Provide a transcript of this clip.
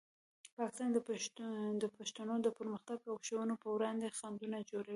پاکستان د پښتنو د پرمختګ او ښوونې په وړاندې خنډونه جوړوي.